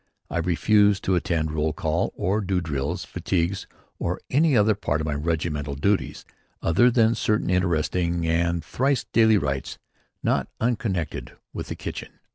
I refused to attend roll call or do drills, fatigues, or any other part of my regimental duties other than certain interesting and thrice daily rites not unconnected with the kitchen.